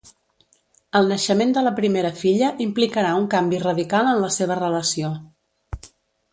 El naixement de la primera filla implicarà un canvi radical en la seva relació.